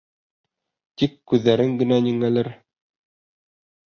Тик күҙҙәрең генә ниңәлер...